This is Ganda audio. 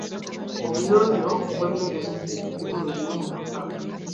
Obuyonjo bw'emmere kintu kikulu nnyo mu maka.